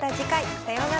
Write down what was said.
さようなら。